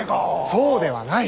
そうではない。